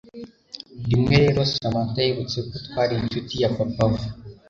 Rimwe rero Samantha yibutse ko twari incuti ya papa we